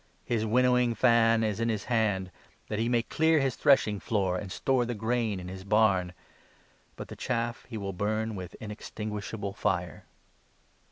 His winnowing fan is in his. hand, that he may clear his 17 threshing floor, and store the grain in his barn, but the chaff he will burn with inextinguishable fire."